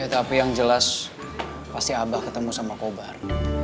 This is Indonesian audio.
tapi yang jelas pasti abah ketemu sama kobar